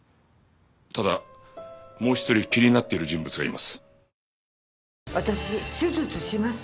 ただもう一人気になっている人物がいます。